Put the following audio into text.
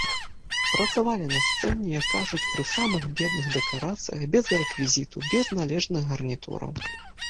Працавалі на сцэне, як кажуць, пры самых бедных дэкарацыях, без рэквізіту, без належных гарнітураў.